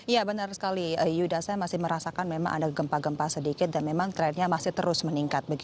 ya benar sekali yuda saya masih merasakan memang ada gempa gempa sedikit dan memang trennya masih terus meningkat